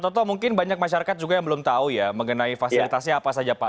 toto mungkin banyak masyarakat juga yang belum tahu ya mengenai fasilitasnya apa saja pak